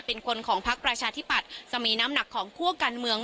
เป็นคนของพักประชาธิปัตย์จะมีน้ำหนักของคั่วการเมือง